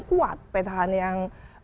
kuat petahana yang